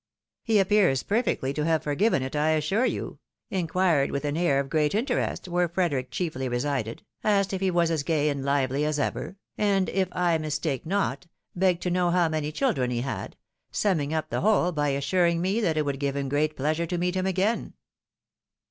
" He appears perfectly to have forgiven it, I assure you — inquired with an air of great interest where Frederick chiefly resided, asked if he was as gay and lively as ever, and, if I mis take not, begged to know how many children he had — sum ming up the whole by assuring me that it would give him great pleasure to meet him again."